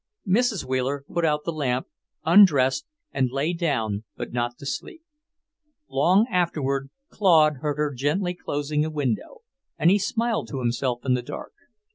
Mrs. Wheeler put out the lamp, undressed, and lay down, but not to sleep. Long afterward, Claude heard her gently closing a window, and he smiled to himself in the dark.